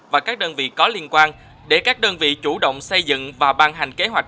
và các đơn vị có liên quan để các đơn vị chủ động xây dựng và ban hành kế hoạch